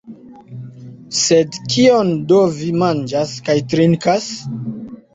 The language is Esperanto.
Sed kion do vi manĝas kaj trinkas?